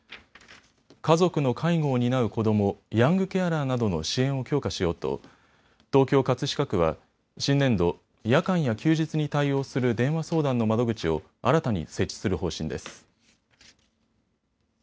家族の介護を担う子ども、ヤングケアラーなどの支援を強化しようと東京葛飾区は新年度、夜間や休日に対応する電話相談の窓口を新たに設置する方針です。